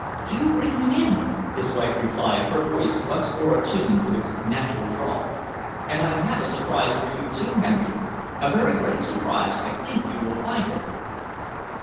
"Do bring him in," his wife replied, her voice once more attuned to its natural drawl. "And I have a surprise for you too, Henry a very great surprise, I think you will find it!"